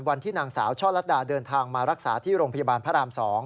วันที่นางสาวช่อลัดดาเดินทางมารักษาที่โรงพยาบาลพระราม๒